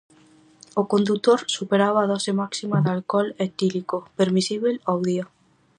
O condutor superaba a dose máxima de alcohol etílico permisíbel ao día.